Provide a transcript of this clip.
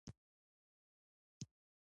د مېوو ونې او سمسور باغونه طبیعي ډالۍ ده.